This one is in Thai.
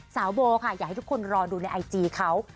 โบค่ะอยากให้ทุกคนรอดูในไอจีเขา